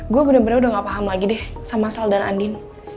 gue bener bener udah gak paham lagi deh sama sel dan andin